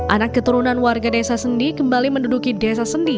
anak keturunan warga desa sendi kembali menduduki desa sendi